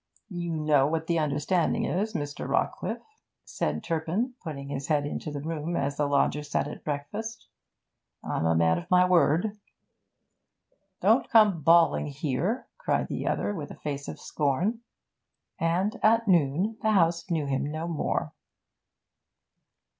'You know what the understanding is, Mr. Rawcliffe,' said Turpin, putting his head into the room as the lodger sat at breakfast. 'I'm a man of my word.' 'Don't come bawling here!' cried the other, with a face of scorn. And at noon the house knew him no more.